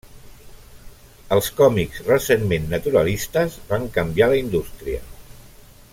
Els còmics recentment naturalistes van canviar la indústria.